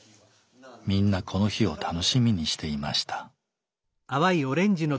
みんなこの日を楽しみにしていました。